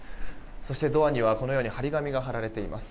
そしてドアにはこのように貼り紙が貼られています。